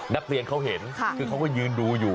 นักเรียนเขาเห็นคือเขาก็ยืนดูอยู่